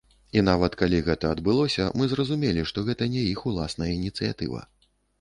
І нават, калі гэта адбылося мы зразумелі, што гэта не іх уласная ініцыятыва.